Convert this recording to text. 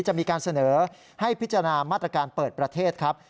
จะมีการเสนอให้พิจารณามาตรการเปิดประเทศครับ